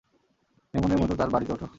মেহমানের মত তাঁর বাড়িতে ওঠ।